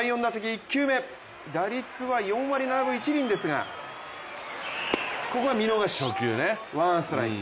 １球目、打率は４割７分１厘ですがここは見逃し、ワンストライク。